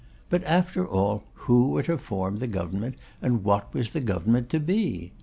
But, after all, who were to form the government, and what was the government to be?